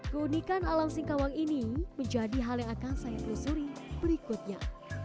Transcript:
keunikan alam singkawang ini menjadi hal yang akan saya telusuri berikutnya